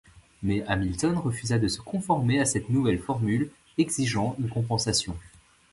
Mais Hamilton refusa de se conformer à cette nouvelle formule, exigeant une compensation.